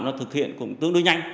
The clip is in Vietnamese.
nó thực hiện cũng tương đối nhanh